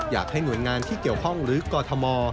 อยากให้หน่วยงานที่เกี่ยวข้องหรือกรทม